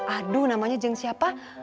aduh namanya jeng siapa